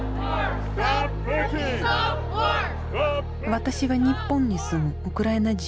私は日本に住むウクライナ人。